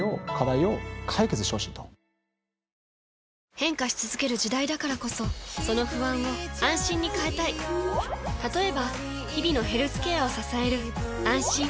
変化し続ける時代だからこそその不安を「あんしん」に変えたい例えば日々のヘルスケアを支える「あんしん」